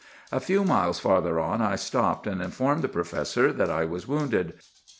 "A few miles farther on I stopped, and informed the professor that I was wounded.